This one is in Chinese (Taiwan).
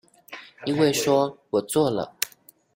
因為說我做了